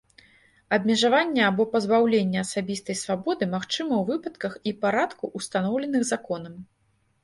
Абмежаванне або пазбаўленне асабістай свабоды магчыма ў выпадках і парадку, устаноўленых законам.